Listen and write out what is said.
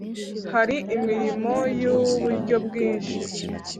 Hari imirimo y uburyo bwinshi